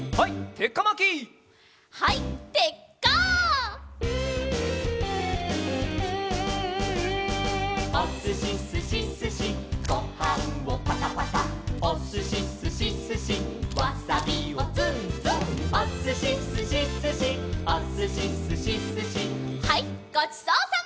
はいごちそうさま！